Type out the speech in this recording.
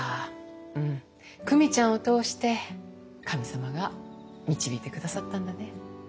うん久美ちゃんを通して神様が導いてくださったんだね。